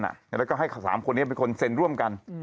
แล้วก็ให้๓คนนี้เป็นคนเซ็นร่วมกัน